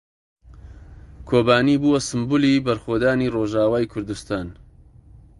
کۆبانێ بووە سمبولی بەرخۆدانی ڕۆژاوای کوردستان.